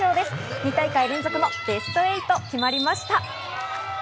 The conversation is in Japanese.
２大会連続のベスト８が決まりました。